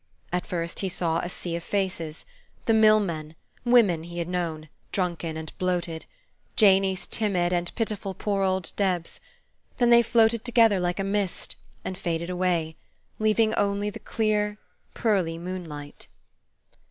At first he saw a sea of faces: the mill men, women he had known, drunken and bloated, Janey's timid and pitiful poor old Debs: then they floated together like a mist, and faded away, leaving only the clear, pearly moonlight.